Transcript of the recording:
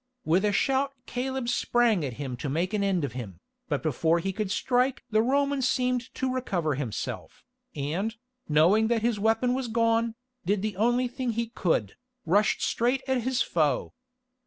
With a shout Caleb sprang at him to make an end of him, but before he could strike the Roman seemed to recover himself, and, knowing that his weapon was gone, did the only thing he could, rushed straight at his foe.